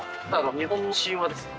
日本の神話です。